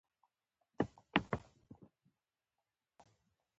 چې بالاخره ځوانان اړ کوي له کورنۍ.